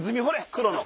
黒の。